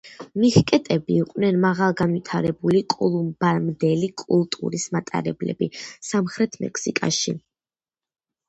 მიჰტეკები იყვნენ მაღალგანვითარებული კოლუმბამდელი კულტურის მატარებლები სამხრეთ მექსიკაში.